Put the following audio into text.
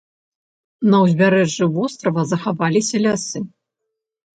На ўзбярэжжы вострава захаваліся лясы.